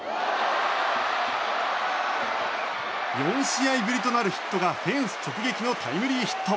４試合ぶりとなるヒットがフェンス直撃のタイムリーヒット。